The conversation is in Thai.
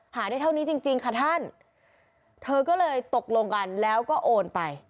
ได้เท่านี้จริงจริงค่ะท่านเธอก็เลยตกลงกันแล้วก็โอนไป